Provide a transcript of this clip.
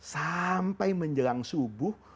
sampai menjelang subuh